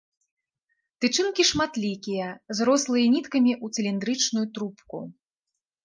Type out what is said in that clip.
Тычынкі шматлікія, зрослыя ніткамі ў цыліндрычную трубку.